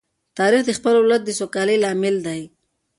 تاریخ د خپل ولس د سوکالۍ لامل دی.